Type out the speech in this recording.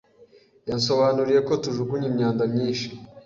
Yansobanuriye ko tujugunya imyanda myinshi.